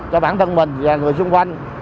cho bản thân mình và người xung quanh